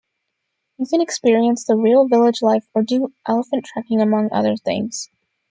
You can experience the real village life or do elephant trekking among other things.